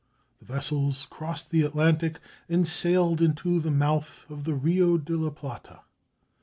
The vessels crossed the Atlantic and sailed into the mouth of the Rio de la Plata.